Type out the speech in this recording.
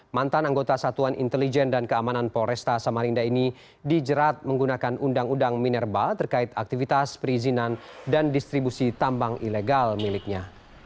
mantan anggota satuan intelijen dan keamanan polresta samarinda ini dijerat menggunakan undang undang minerba terkait aktivitas perizinan dan distribusi tambang ilegal miliknya